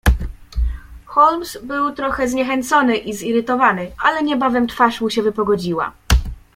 "Holmes był trochę zniechęcony i zirytowany, ale niebawem twarz mu się wypogodziła."